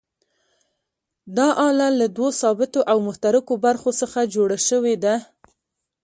دا آله له دوو ثابتو او متحرکو برخو څخه جوړه شوې ده.